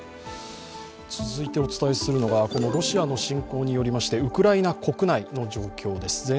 続いてお伝えするのがロシアの侵攻によりましてウクライナ国内の状況です。